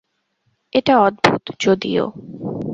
এটা অদ্ভুত, যদিও।